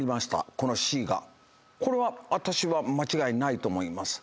このＣがこれは私は間違いないと思います